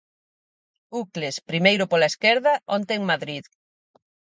Ucles, primeiro pola esquerda, onte en Madrid.